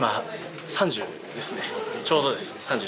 ちょうどです３０